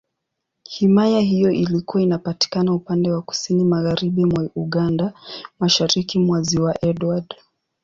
Himaya hiyo ilikuwa inapatikana upande wa Kusini Magharibi mwa Uganda, Mashariki mwa Ziwa Edward.